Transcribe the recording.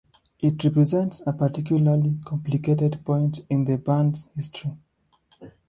It represents a particularly complicated point in the band's history.